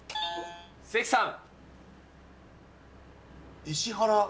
関さん。